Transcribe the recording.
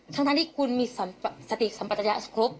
ทั้งที่คุณมีสติสัมปัตยะครบ